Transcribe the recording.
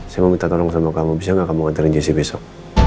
saya mau minta tolong sama kamu bisa gak kamu nganterin jessy besok